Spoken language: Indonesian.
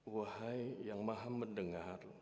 wahai yang maha mendengar